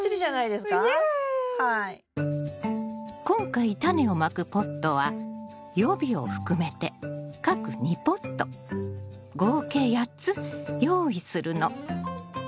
今回タネをまくポットは予備を含めて各２ポット合計８つ用意するの。